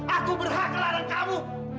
aku berhak melarang kamu